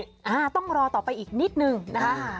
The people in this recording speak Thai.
อ่าต้องรอต่อไปอีกนิดนึงนะคะ